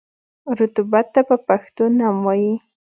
رطوبت ته په پښتو نم وايي.